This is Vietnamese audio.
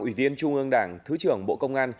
ủy viên trung ương đảng thứ trưởng bộ công an